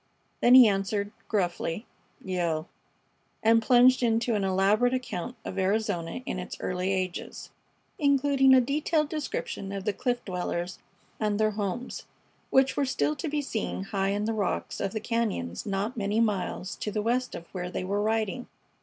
Then he answered, gruffly, "Yale," and plunged into an elaborate account of Arizona in its early ages, including a detailed description of the cliff dwellers and their homes, which were still to be seen high in the rocks of the cañons not many miles to the west of where they were riding.